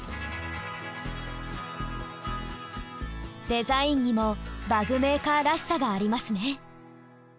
デザインにも馬具メーカーらしさがありますね。